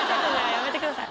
やめてください。